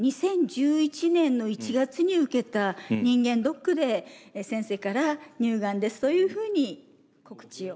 ２０１１年の１月に受けた人間ドックで先生から「乳がんです」というふうに告知を。